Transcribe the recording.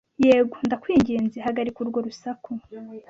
Yego, ndakwinginze, hagarika urwo rusaku!